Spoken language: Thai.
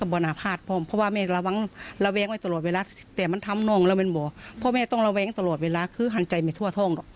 พ่อไม่อยากจะระแวงเวลามันก็หันใจไว้ทั่วโทษ